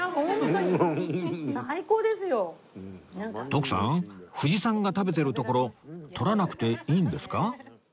徳さん藤さんが食べてるところ撮らなくていいんですか？